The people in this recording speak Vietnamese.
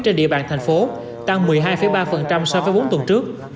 trên địa bàn thành phố tăng một mươi hai ba so với bốn tuần trước